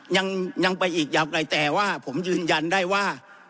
ยังยังไปอีกยาวไกลแต่ว่าผมยืนยันได้ว่า